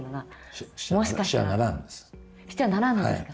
してはならんのですか？